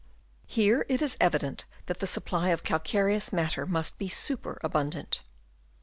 Here it is evident that the supply of cal careous matter must be superabundant.